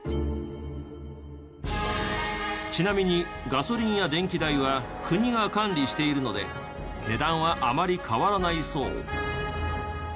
ちなみにガソリンや電気代は国が管理しているので値段はあまり変わらないそう。